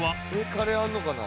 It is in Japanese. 「カレーあるのかな？」